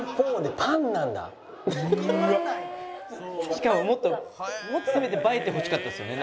しかももっともっとせめて映えてほしかったですよね。